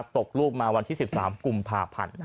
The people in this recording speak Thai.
ตกลูกมาวันที่๑๓กุมภาพันธ์